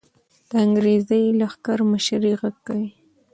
د انګریزي لښکر مشري غږ کوي.